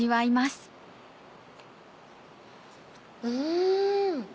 うん。